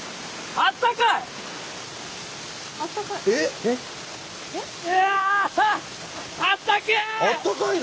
あったかいの？